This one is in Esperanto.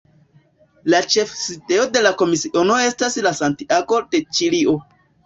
La ĉefsidejo de la komisiono estas en Santiago de Ĉilio.